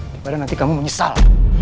daripada nanti kamu menyesal